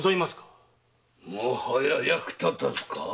もはや役立たずか？